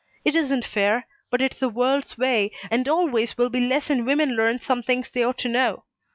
It isn't fair, but it's the world's way, and always will be lessen women learn some things they ought to know.